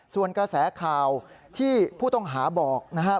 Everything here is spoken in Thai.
ส่วนกระแสข่าวที่ผู้ต้องหาบอกนะครับ